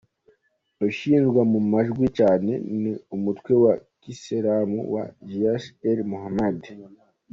Ushyirwa mu majwi cyane ni umutwe wa kisilamu wa Jaish-e-Mohammed.